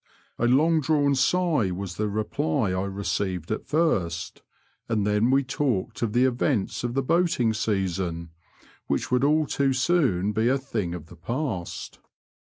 A long drawn sigh was the reply I received at first, and then we talked of the events of the boating season, which would all too soon be a thing of the past.